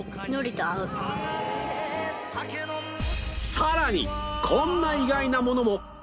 さらにこんな意外なものも